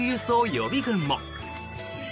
予備軍も。